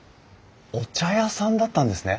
お茶屋さんだったんですね！